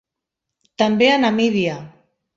També a Namíbia.